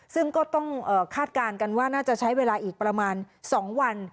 ซึ่งก็ต้องคาดการณ์กันว่าน่าจะใช้เวลาอีกประมาณ๒วัน